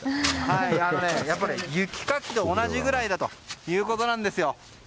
やっぱり雪かきと同じくらいだということなんですよ。